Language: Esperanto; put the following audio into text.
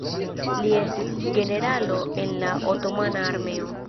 Li estis generalo en la Otomana Armeo.